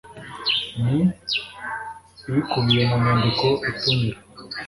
n ibikubiye mu nyandiko itumira